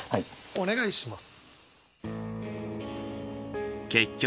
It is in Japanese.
お願いします。